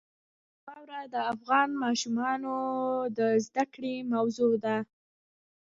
واوره د افغان ماشومانو د زده کړې موضوع ده.